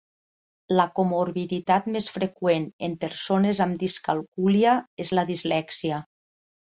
La comorbiditat més freqüent en persones amb discalcúlia és la dislèxia.